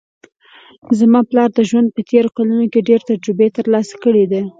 زما پلار د ژوند په تېرو کلونو کې ډېر تجربې ترلاسه کړې ده